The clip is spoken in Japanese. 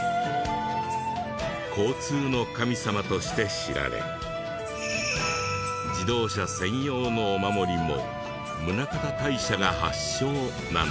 交通の神様として知られ自動車専用のお守りも宗像大社が発祥なんだとか。